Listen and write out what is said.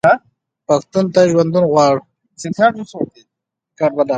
پښتون ته ژوندون غواړو.